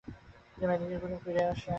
তিনি মেদিনীপুর ফিরে আসেন।